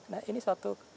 nah ini suatu